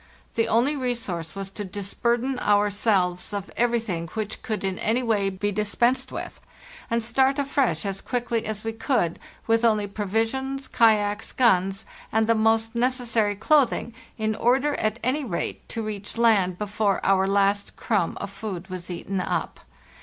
The only resource was to disburden ourselves of everything which could in any way be dispensed with, and start afresh as quickly as we could, with only provisions, kayaks, guns, and the most necessary clothing, in order, at any rate, to reach land before our last crumb of food was eaten up.